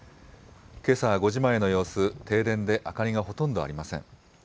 けさ５時前の様子、停電で明かりがほとんどありません。